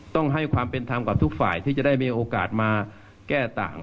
ต้องให้ความเป็นธรรมกับทุกฝ่ายที่จะได้มีโอกาสมาแก้ต่าง